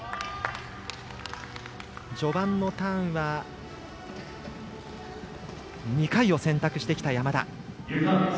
序盤のターンは２回を選択してきた山田。